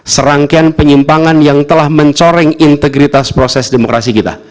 serangkaian penyimpangan yang telah mencoreng integritas proses demokrasi kita